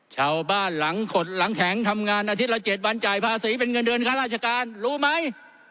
หลังขดหลังแข็งทำงานอาทิตย์ละ๗วันจ่ายภาษีเป็นเงินเดือนค่าราชการรู้ไหม